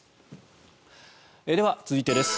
では、続いてです。